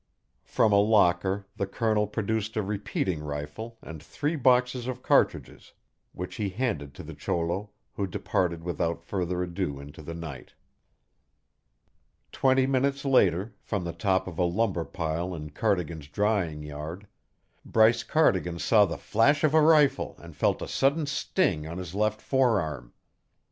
From a locker the Colonel produced a repeating rifle and three boxes of cartridges, which he handed to the cholo, who departed without further ado into the night. Twenty minutes later, from the top of a lumber pile in Cardigan's drying yard, Bryce Cardigan saw the flash of a rifle and felt a sudden sting on his left forearm.